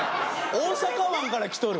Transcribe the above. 大阪湾から来とる。